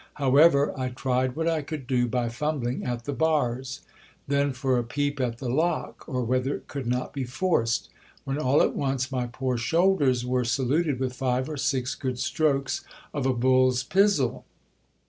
However, I tried what I could do by fumbling at the bars. Then for a peep at the lock ; or whether it could not be forced ! When all at once my poor shoulders were saluted with five or six good strokes of a bull's pizzle.